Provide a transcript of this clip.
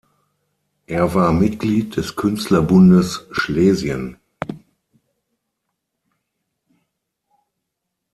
Er war Mitglied des „Künstlerbundes Schlesien“.